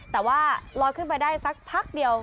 แต่ว่าลอยขึ้นไปได้สักพักเดียว